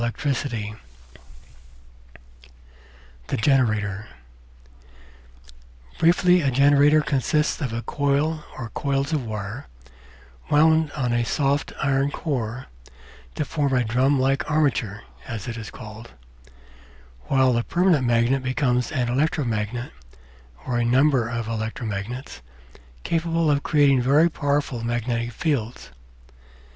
Applied Science 799 The Generator Briefly, a generator consists of a coil or coils of wire, wound on a soft iron core to form a drum like armature (as it is called) ; while the permanent magnet becomes an electro magnet, or a number of electro magnets, capable of creating very powerful magnetic fields.